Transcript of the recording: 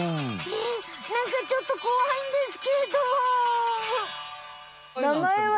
えなんかちょっとこわいんですけど。